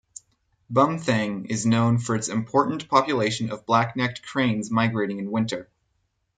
Bumthang is known for its important population of black-necked cranes migrating in winter.